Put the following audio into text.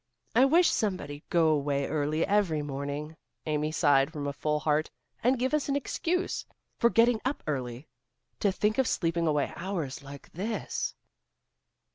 "I wish somebody'd go away early every morning," Amy sighed from a full heart, "and give us an excuse for getting up early. To think of sleeping away hours like this."